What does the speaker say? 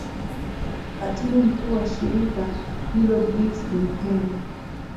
katibu mkuu wa shirika hilo bliz limpen